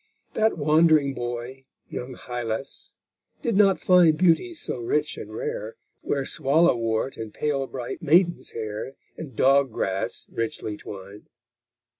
That wandering boy, young Hylas, did not find Beauties so rich and rare, Where swallow wort and pale bright maiden's hair And dog grass richly twined.